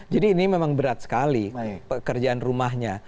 jadi ini memang berat sekali pekerjaan rumahnya